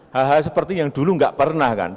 hal hal seperti yang dulu nggak pernah kan